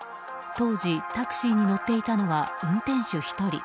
当時、タクシーに乗っていたのは運転手１人。